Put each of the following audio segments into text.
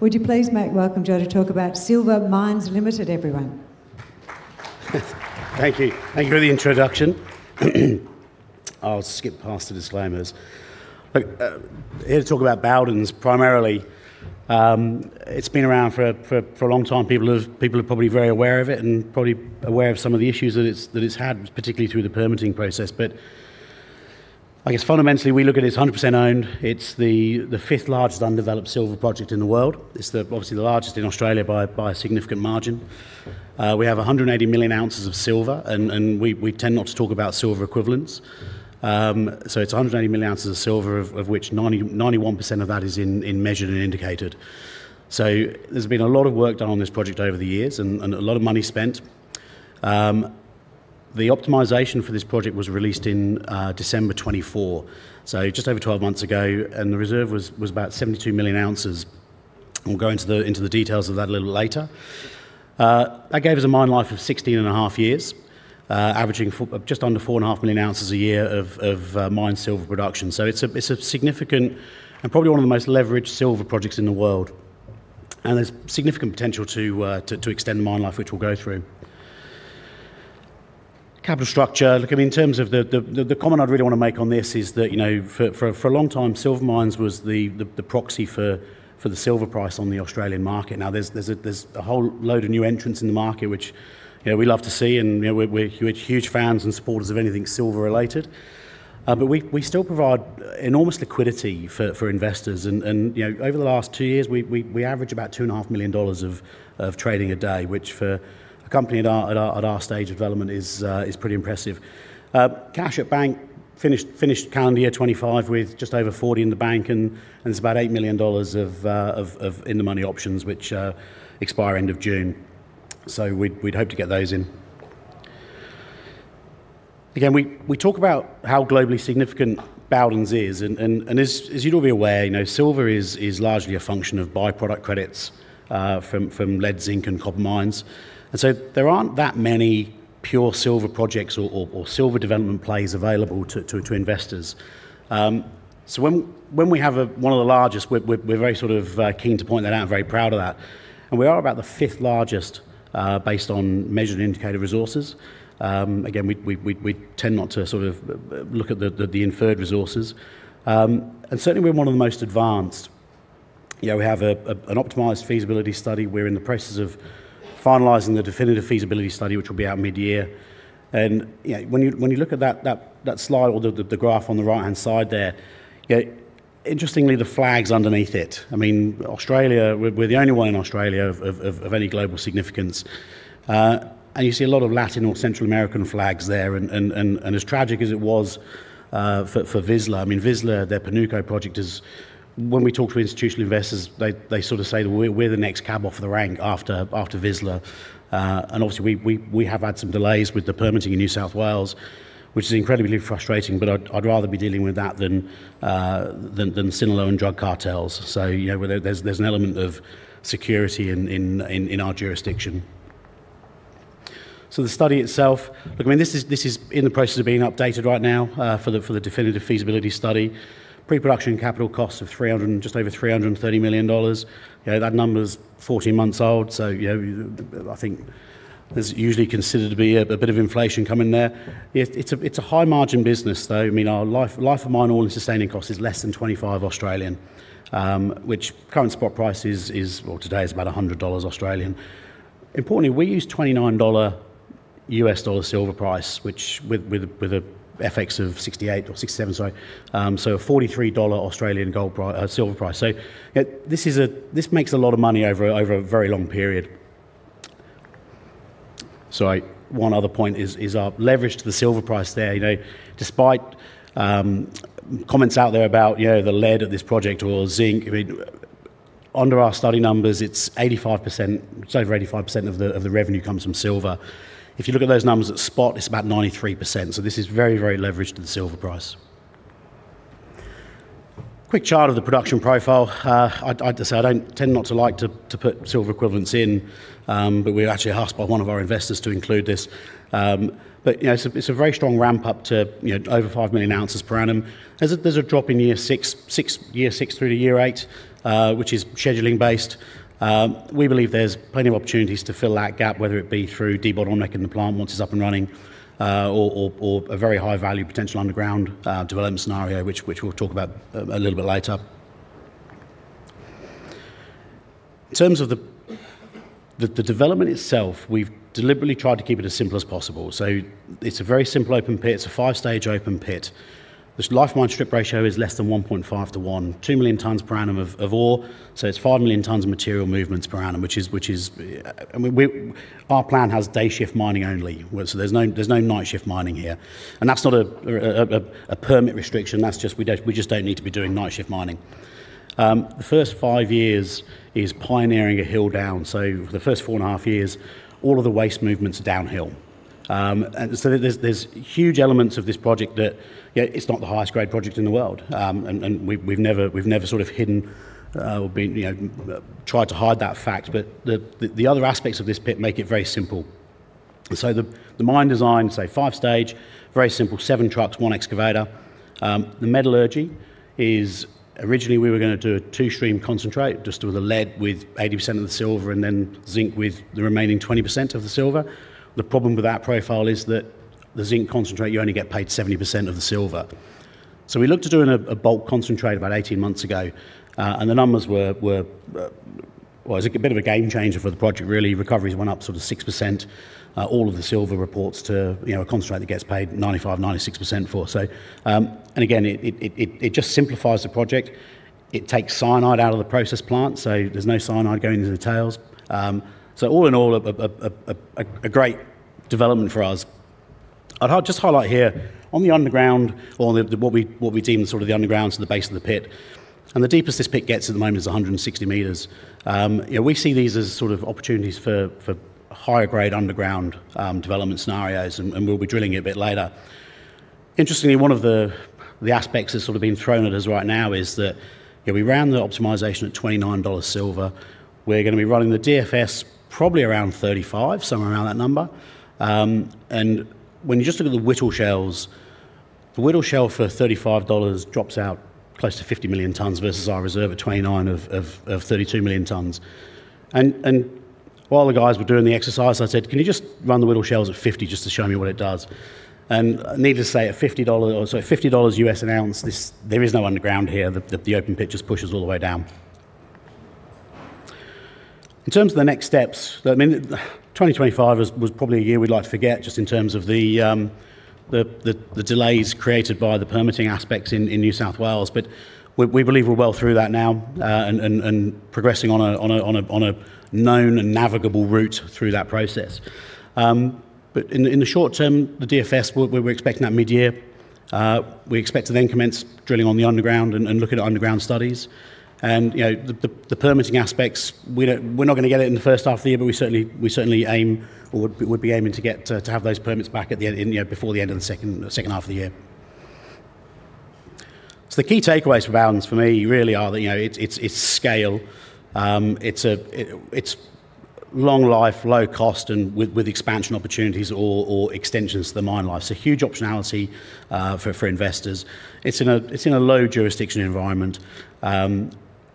Would you please make welcome Joe to talk about Silver Mines Limited, everyone? Thank you. Thank you for the introduction. I'll skip past the disclaimers. But here to talk about Bowdens primarily. It's been around for a long time. People are probably very aware of it and probably aware of some of the issues that it's had, particularly through the permitting process. But I guess fundamentally, we look at it, it's 100% owned. It's the fifth largest undeveloped silver project in the world. It's obviously the largest in Australia by a significant margin. We have 180 million ounces of silver, and we tend not to talk about silver equivalents. So it's 180 million ounces of silver, of which 91% of that is in measured and indicated. So there's been a lot of work done on this project over the years and a lot of money spent. The optimization for this project was released in December 2024, so just over 12 months ago, and the reserve was about 72 million ounces. We'll go into the details of that a little later. That gave us a mine life of 16.5 years, averaging just under 4.5 million ounces a year of mined silver production. So it's a, it's a significant and probably one of the most leveraged silver projects in the world, and there's significant potential to, to, to extend the mine life, which we'll go through. Capital structure. Look, I mean, in terms of the, the, the comment I'd really wanna make on this is that, you know, for, for, for a long time, Silver Mines was the, the, the proxy for, for the silver price on the Australian market. Now, there's, there's a, there's a whole load of new entrants in the market, which, you know, we love to see, and, you know, we're, we're huge fans and supporters of anything silver-related. But we still provide enormous liquidity for investors, and you know, over the last two years, we average about 2.5 million dollars of trading a day, which for a company at our stage of development is pretty impressive. Cash at bank finished calendar year 2025 with just over 40 million in the bank, and there's about 8 million dollars of in the money options, which expire end of June. So we'd hope to get those in. Again, we talk about how globally significant Bowdens is, and as you'd all be aware, you know, silver is largely a function of by-product credits from lead, zinc, and copper mines. And so there aren't that many pure silver projects or silver development plays available to investors. So when we have one of the largest, we're very sort of keen to point that out, very proud of that, and we are about the fifth largest based on measured indicated resources. Again, we tend not to sort of look at the inferred resources. And certainly we're one of the most advanced. You know, we have an optimized feasibility study. We're in the process of finalizing the definitive feasibility study, which will be out mid-year. And, you know, when you look at that slide or the graph on the right-hand side there, you know, interestingly, the flags underneath it... I mean, Australia, we're the only one in Australia of any global significance. And you see a lot of Latin or Central American flags there, and as tragic as it was, for Vizsla, I mean, Vizsla, their Panuco project is, when we talk to institutional investors, they sort of say that we're the next cab off the rank after Vizsla. And obviously, we have had some delays with the permitting in New South Wales, which is incredibly frustrating, but I'd rather be dealing with that than Sinaloa and drug cartels. So, you know, there's an element of security in our jurisdiction. So the study itself, look, I mean, this is, this is in the process of being updated right now, for the, for the definitive feasibility study. Pre-production capital costs of AUD 300 million and just over 330 million dollars. You know, that number's 14 months old, so, you know, I think there's usually considered to be a, a bit of inflation coming there. It, it's a, it's a high-margin business, though. I mean, our life of mine all-in sustaining cost is less than 25, which current spot price is, is, well, today is about 100 Australian dollars. Importantly, we use US$29 silver price, which with, with, with a FX of 0.68 or 0.67, sorry, so a 43 Australian dollars silver price. So, yeah, this is a... This makes a lot of money over a very long period. Sorry, one other point is our leverage to the silver price there. You know, despite comments out there about, you know, the lead of this project or zinc, I mean, under our study numbers, it's 85%, it's over 85% of the revenue comes from silver. If you look at those numbers at spot, it's about 93%, so this is very, very leveraged to the silver price. Quick chart of the production profile. I'd say I don't tend not to like to put silver equivalents in, but we were actually asked by one of our investors to include this. But, you know, it's a very strong ramp up to, you know, over 5 million ounces per annum. There's a drop in year six through to year eight, which is scheduling based. We believe there's plenty of opportunities to fill that gap, whether it be through debottlenecking the plant once it's up and running, or a very high-value potential underground development scenario, which we'll talk about a little bit later. In terms of the development itself, we've deliberately tried to keep it as simple as possible. So it's a very simple open pit. It's a five-stage open pit. This life-of-mine strip ratio is less than 1.5 to 1, 2 million tons per annum of ore, so it's 5 million tons of material movements per annum, which is... Our plan has day shift mining only, so there's no night shift mining here, and that's not a permit restriction, that's just we don't, we just don't need to be doing night shift mining. The first five years is pioneering a hill down, so for the first four and a half years, all of the waste movement's downhill. And so there's huge elements of this project that, yeah, it's not the highest grade project in the world, and we've never sort of hidden or been, you know, tried to hide that fact, but the other aspects of this pit make it very simple. So the mine design, say five stage, very simple, seven trucks, one excavator. The metallurgy is, originally we were going to do a two-stream concentrate, just with the lead with 80% of the silver, and then zinc with the remaining 20% of the silver. The problem with that profile is that the zinc concentrate, you only get paid 70% of the silver. So we looked at doing a bulk concentrate about 18 months ago, and the numbers were well, it was a bit of a game changer for the project, really. Recoveries went up sort of 6%. All of the silver reports to, you know, a concentrate that gets paid 95%-96% for. So, and again, it just simplifies the project. It takes cyanide out of the process plant, so there's no cyanide going into the tails. So all in all, a great development for us. I'd highlight, just highlight here, on the underground or the what we deem sort of the underground to the base of the pit, and the deepest this pit gets at the moment is 160 meters. Yeah, we see these as sort of opportunities for higher grade underground development scenarios, and we'll be drilling here a bit later. Interestingly, one of the aspects that's sort of being thrown at us right now is that, you know, we ran the optimization at $29 silver. We're gonna be running the DFS probably around $35, somewhere around that number. And when you just look at the Whittle shells, the Whittle shell for $35 drops out close to 50 million tons versus our reserve at 29 of 32 million tons. And while the guys were doing the exercise, I said, "Can you just run the Whittle shells at 50 just to show me what it does?" And needless to say, at $50 or so, $50 US an ounce, this there is no underground here, the open pit just pushes all the way down. In terms of the next steps, I mean, 2025 was probably a year we'd like to forget, just in terms of the delays created by the permitting aspects in New South Wales. But we believe we're well through that now, and progressing on a known and navigable route through that process. But in the short term, the DFS, we're expecting that mid-year. We expect to then commence drilling on the underground and look at underground studies. And, you know, the permitting aspects, we don't, we're not gonna get it in the first half of the year, but we certainly aim or would be aiming to get to have those permits back at the end, you know, before the end of the second half of the year. So the key takeaways for Valens for me really are that, you know, it's scale. It's long life, low cost, and expansion opportunities or extensions to the mine life. So huge optionality for investors. It's in a low jurisdiction environment.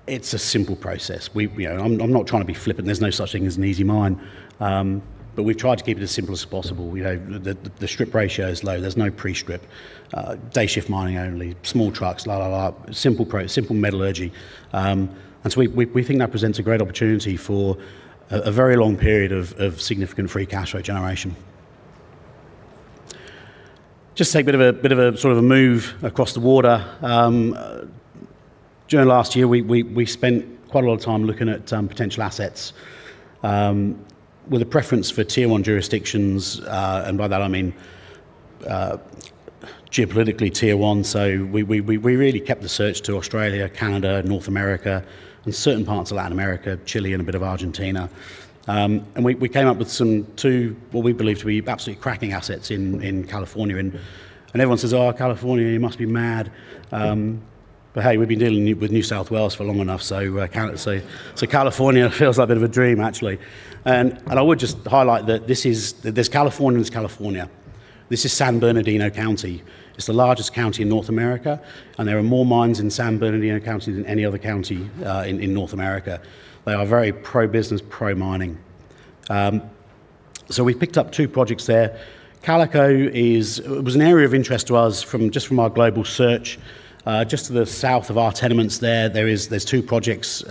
It's a simple process. You know, I'm not trying to be flippant. There's no such thing as an easy mine, but we've tried to keep it as simple as possible. You know, the strip ratio is low. There's no pre-strip, day shift mining only, small trucks, simple metallurgy. And so we think that presents a great opportunity for a very long period of significant free cash flow generation. Just to take a bit of a sort of a move across the water, during last year, we spent quite a lot of time looking at potential assets with a preference for Tier One jurisdictions, and by that I mean, geopolitically Tier One. So we really kept the search to Australia, Canada, North America, and certain parts of Latin America, Chile, and a bit of Argentina. And we came up with some... two what we believe to be absolutely cracking assets in California, and everyone says, "Oh, California, you must be mad." But hey, we've been dealing with New South Wales for long enough, so California feels like a bit of a dream, actually. And I would just highlight that this is, that this California is California. This is San Bernardino County. It's the largest county in North America, and there are more mines in San Bernardino County than any other county in North America. They are very pro-business, pro-mining. So we've picked up two projects there. Calico was an area of interest to us from just from our global search. Just to the south of our tenements there, there's two projects,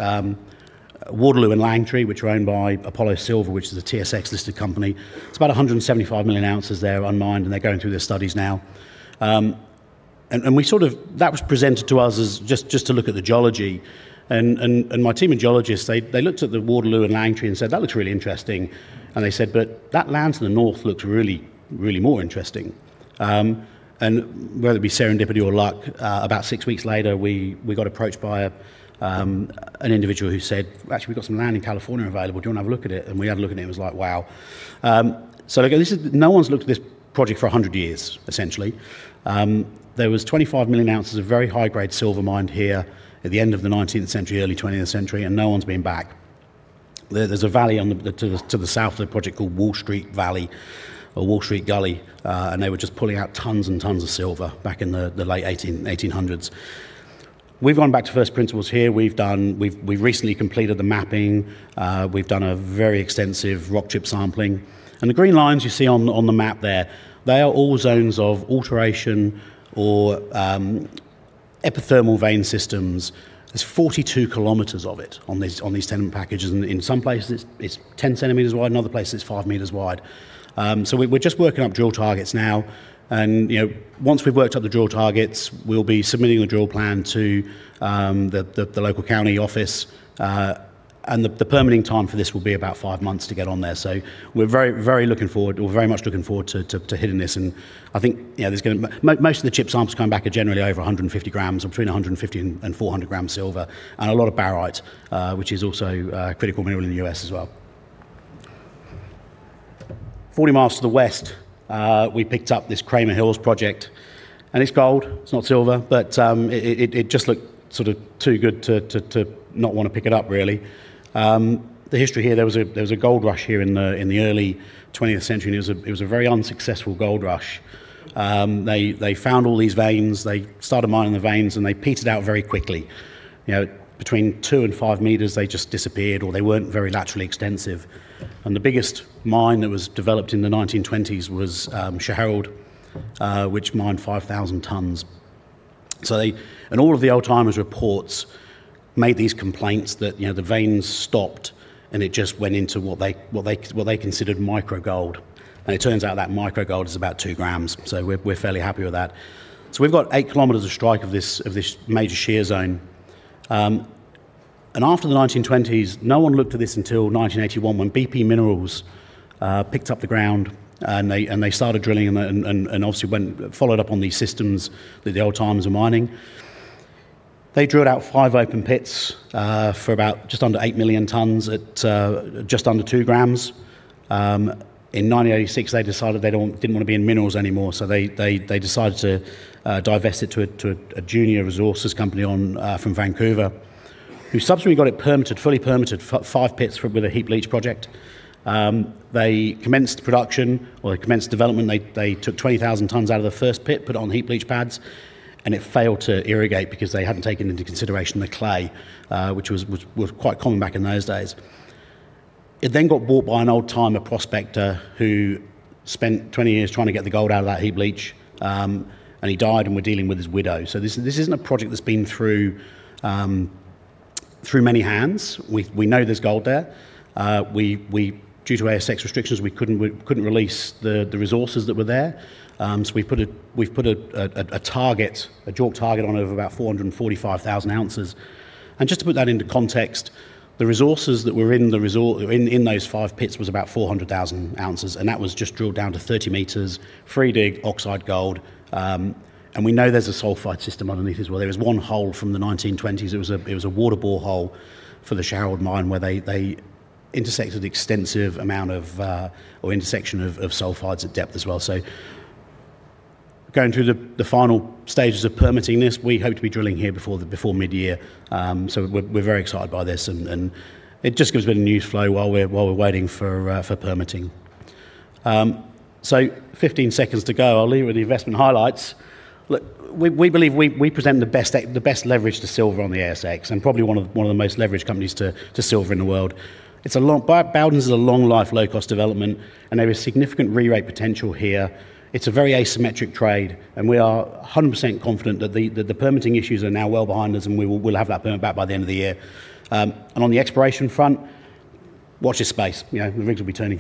Waterloo and Langtry, which are owned by Apollo Silver, which is a TSX-listed company. It's about 175 million ounces there unmined, and they're going through their studies now. And we sort of... That was presented to us as just to look at the geology, and my team of geologists looked at the Waterloo and Langtry and said, "That looks really interesting." And they said, "But that land to the north looks really, really more interesting." And whether it be serendipity or luck, about six weeks later, we got approached by an individual who said, "Actually, we've got some land in California available. Do you want to have a look at it?" And we had a look at it, and it was like, wow. So again, no one's looked at this project for 100 years, essentially. There was 25 million ounces of very high-grade silver mined here at the end of the nineteenth century, early twentieth century, and no one's been back. There, there's a valley on the, to the, to the south of the project called Wall Street Valley or Wall Street Gully, and they were just pulling out tons and tons of silver back in the late 1800s. We've gone back to first principles here. We've done, we've recently completed the mapping. We've done a very extensive rock chip sampling, and the green lines you see on the map there, they are all zones of alteration or epithermal vein systems. There's 42 kilometers of it on these, on these tenement packages, and in some places, it's 10 centimeters wide, in other places, it's 5 meters wide. So we're just working up drill targets now, and, you know, once we've worked up the drill targets, we'll be submitting the drill plan to, the, the local county office. And the permitting time for this will be about five months to get on there. So we're very much looking forward to hitting this, and I think, you know, there's gonna most of the chip samples coming back are generally over 150 grams, between 150 and 400 grams silver, and a lot of barite, which is also a critical mineral in the U.S. as well. Forty miles to the west, we picked up this Kramer Hills Project, and it's gold, it's not silver, but it just looked sort of too good to not wanna pick it up, really. The history here, there was a gold rush here in the early 20th century, and it was a very unsuccessful gold rush. They found all these veins, they started mining the veins, and they petered out very quickly. You know, between 2 and 5 meters, they just disappeared, or they weren't very naturally extensive. And the biggest mine that was developed in the 1920s was Sherald, which mined 5,000 tons. So they and all of the old-timers' reports made these complaints that, you know, the veins stopped, and it just went into what they considered micro gold. And it turns out that micro gold is about 2 grams, so we're fairly happy with that. So we've got 8 kilometers of strike of this major shear zone. And after the 1920s, no one looked at this until 1981 when BP Minerals picked up the ground, and they started drilling and obviously followed up on these systems that the old-timers were mining. They drilled out five open pits for about just under 8 million tons at just under 2 grams. In 1986, they decided they didn't wanna be in minerals anymore, so they decided to divest it to a junior resources company from Vancouver, who subsequently got it permitted, fully permitted five pits with a heap leach project. They commenced production, or they commenced development. They took 20,000 tons out of the first pit, put it on heap leach pads, and it failed to irrigate because they hadn't taken into consideration the clay, which was quite common back in those days. It then got bought by an old-timer prospector who spent 20 years trying to get the gold out of that heap leach, and he died, and we're dealing with his widow. So this isn't a project that's been through many hands. We know there's gold there. Due to ASX restrictions, we couldn't release the resources that were there. So we've put a JORC target on it of about 445,000 ounces. And just to put that into context, the resources that were in the resour... In those five pits was about 400,000 ounces, and that was just drilled down to 30 meters, free dig, oxide gold, and we know there's a sulfide system underneath as well. There was one hole from the 1920s. It was a water bore hole for the Sherald Mine, where they intersected extensive amount of or intersection of sulfides at depth as well. So going through the final stages of permitting this, we hope to be drilling here before midyear. So we're very excited by this, and it just gives a bit of news flow while we're waiting for permitting. So 15 seconds to go. I'll leave you with the investment highlights. Look, we believe we present the best leverage to silver on the ASX, and probably one of the most leveraged companies to silver in the world. It's a long... Bowdens is a long-life, low-cost development, and there is significant re-rate potential here. It's a very asymmetric trade, and we are 100% confident that the permitting issues are now well behind us, and we'll have that permit back by the end of the year. And on the exploration front, watch this space. You know, the rings will be turning.